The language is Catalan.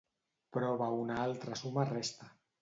Prova una altra suma resta.